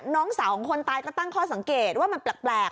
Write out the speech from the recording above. น้องสาวของคนตายก็ตั้งข้อสังเกตว่ามันแปลก